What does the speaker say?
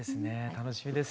楽しみです。